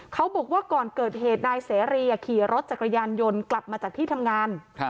เขาบอกว่าก่อนเกิดเหตุนายเสรีขี่รถจักรยานยนต์กลับมาจากที่ทำงาน